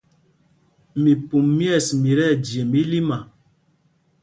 Mipum myɛ̂ɛs, mi tí ɛjem ílima.